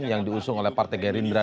yang diusung oleh partai gerindra